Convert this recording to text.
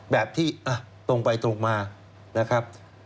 แบบตรงไปตรงมา